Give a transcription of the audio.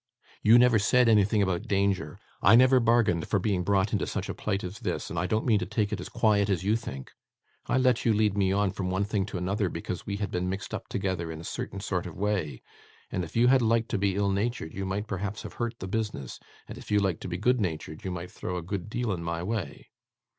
You never said anything about danger. I never bargained for being brought into such a plight as this, and I don't mean to take it as quiet as you think. I let you lead me on, from one thing to another, because we had been mixed up together in a certain sort of a way, and if you had liked to be ill natured you might perhaps have hurt the business, and if you liked to be good natured you might throw a good deal in my way.